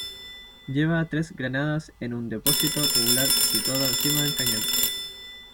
Lleva tres granadas en un depósito tubular situado encima del cañón.